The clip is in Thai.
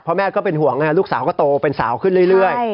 แม่ก็เป็นห่วงลูกสาวก็โตเป็นสาวขึ้นเรื่อย